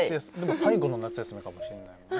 最後の夏休みかもしれないもんね。